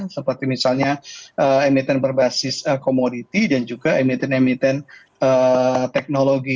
seperti misalnya emiten berbasis komoditi dan juga emiten emiten teknologi